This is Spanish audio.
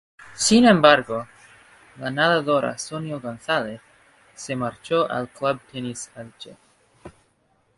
Sin embargo, la nadadora Sonia González, se marchó al Club Tenis Elche.